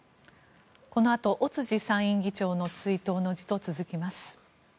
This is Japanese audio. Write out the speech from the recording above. このあと尾辻参院議長の追悼の辞へと続きます。